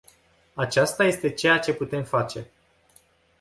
Aceasta este ceea ce putem face.